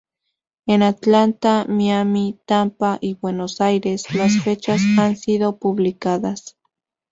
En Atlanta, Miami, Tampa y Buenos Aires las fechas han sido publicadas.